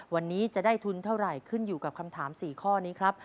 วันนี้จะได้ทุนเท่าไหร่ขึ้นอยู่กับคำถาม๔ข้อนี้ครับ